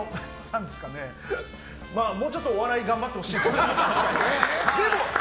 まあ、もうちょっとお笑い頑張ってほしいなと。